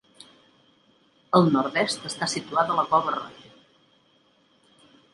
Al nord-est està situada la Cova Roja.